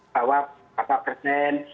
bahwa berapa persen